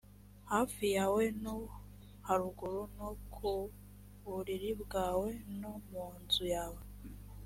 hafi yawe no haruguru no ku buriri bwawe no mu nzu yawe